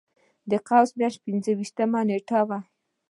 د قوس میاشتې پنځه ویشتمه نېټه وه.